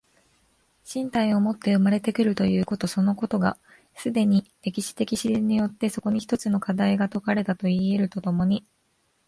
身体をもって生まれて来るということそのことが、既に歴史的自然によってそこに一つの課題が解かれたといい得ると共に